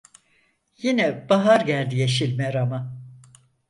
Yine bahar geldi yeşil Meram'a.